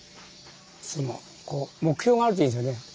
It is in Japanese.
そのこう目標があるといいですよね。